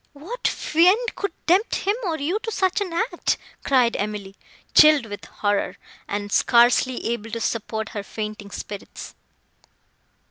"What fiend could tempt him, or you, to such an act!" cried Emily, chilled with horror, and scarcely able to support her fainting spirits.